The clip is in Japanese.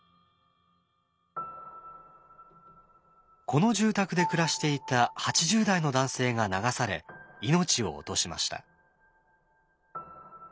この住宅で暮らしていた８０代の男性が流され命を落としました。